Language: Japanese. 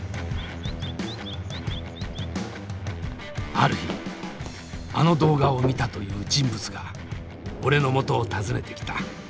ある日あの動画を見たという人物が俺のもとを訪ねてきた。